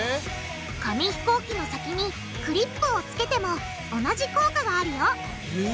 紙ひこうきの先にクリップをつけても同じ効果があるよえ！